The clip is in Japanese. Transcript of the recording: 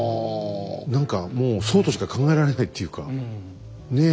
何かもうそうとしか考えられないっていうかねえ？